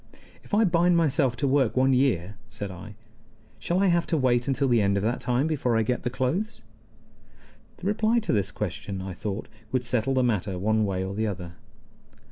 "If I bind myself to work one year," said I, "shall I have to wait until the end of that time before I get the clothes?" The reply to this question, I thought, would settle the matter one way or the other.